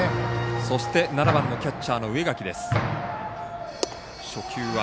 そして７番のキャッチャーの植垣です。